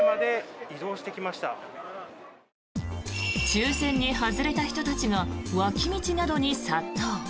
抽選に外れた人たちが脇道などに殺到。